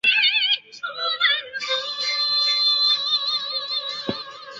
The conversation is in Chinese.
将农业部的渔船检验和监督管理职责划入交通运输部。